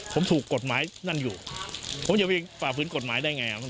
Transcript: ผมถูกกฎหมายนั่นอยู่ผมจะไปฝ่าฝืนกฎหมายได้ไง